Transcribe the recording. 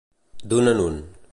D'un en un.